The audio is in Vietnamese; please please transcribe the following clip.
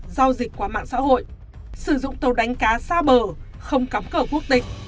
giao dịch qua mạng xã hội sử dụng tàu đánh cá xa bờ không cắm cờ quốc tịch